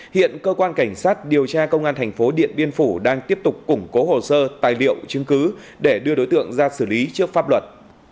hiện cơ quan cảnh sát điều tra công an thành phố điện biên phủ đang tiếp tục củng cố hồ sơ tài liệu chứng cứ để đưa đối tượng ra xử lý trước pháp luật